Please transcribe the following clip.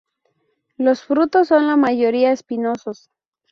Los frutos son la mayoría espinosos.